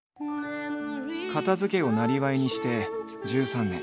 片づけをなりわいにして１３年。